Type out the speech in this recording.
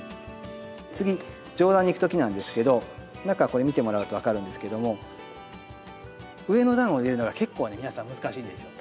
次上段にいく時なんですけど中これ見てもらうと分かるんですけども上の段を入れるのが結構ね皆さん難しいんですよ。